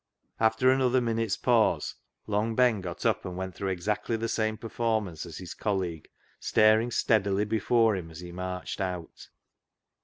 After another minute's pause Long Ben got up and went through exactly the same per formance as his colleague, staring steadily before him as he marched out.